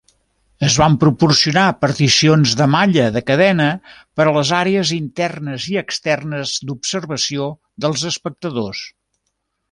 Es van proporcionar particions de malla de cadena per a les àrees "internes" i "externes" d'observació dels espectadors.